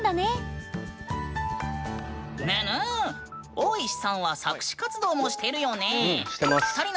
オーイシさんは作詞活動もしてるよねえ？